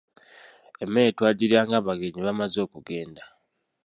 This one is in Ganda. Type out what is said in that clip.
Emmere twagiryanga abagenyi bamaze okugenda.